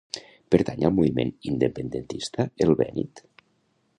Pertany al moviment independentista el Benit?